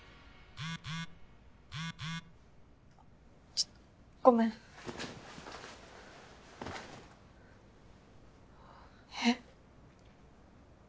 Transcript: ちょっとごめん。え？